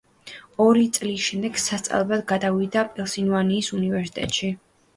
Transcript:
ორი წლის შემდეგ სასწავლებლად გადავიდა პენსილვანიის უნივერსიტეტში.